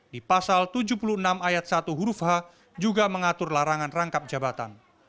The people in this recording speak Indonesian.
di pasal tujuh puluh enam ayat satu huruf h juga mengatur larangan rangkap jabatan